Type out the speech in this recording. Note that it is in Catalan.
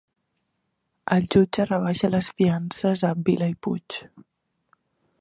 El jutge rebaixa les fiances a Vila i Puig